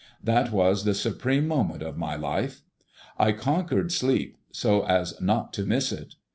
That was the supreme moment of my life. I conquered sleep so as not to miss it.